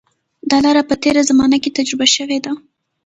دا لاره په تېره زمانه کې تجربه شوې ده.